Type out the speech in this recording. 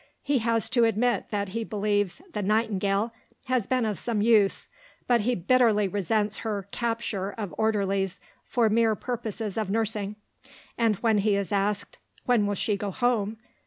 He has to admit that he believes "the Nightingale" has been of some use; but he bitterly resents her "capture" of orderlies for mere purposes of nursing, and when he is asked, "When will she go home?"